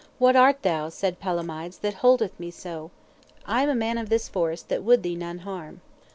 What art thou, said Palomides, that holdeth me so? I am a man of this forest that would thee none harm.